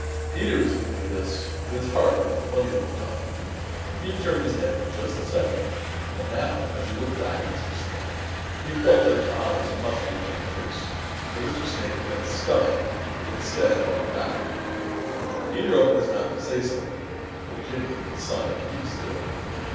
Peter was thinking of this when his heart gave a funny little jump. He had turned his head for just a second and now, as he looked back at Mr. Snake, he felt that his eyes must be playing him tricks for Mr. Snake was on his stomach instead of on his back! Peter opened his mouth to say something, but Jimmy made a sign to keep still.